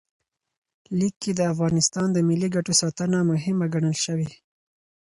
لیک کې د افغانستان د ملي ګټو ساتنه مهمه ګڼل شوې.